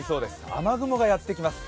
雨雲がやってきます。